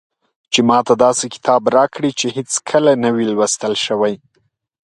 چې ماته داسې کتاب راکړي چې هېڅکله نه وي لوستل شوی.